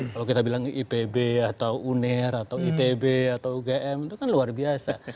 kalau kita bilang ipb atau uner atau itb atau ugm itu kan luar biasa